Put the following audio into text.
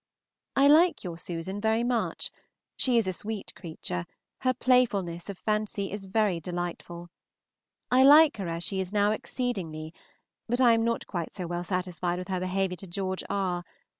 I like your Susan very much; she is a sweet creature, her playfulness of fancy is very delightful. I like her as she is now exceedingly, but I am not quite so well satisfied with her behavior to George R.